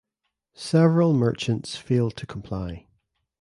Several merchants failed to comply.